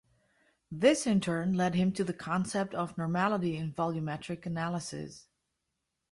This in turn led him to the concept of normality in volumetric analysis.